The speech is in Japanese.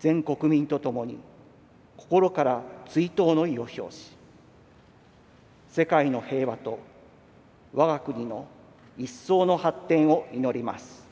全国民と共に心から追悼の意を表し世界の平和と我が国の一層の発展を祈ります。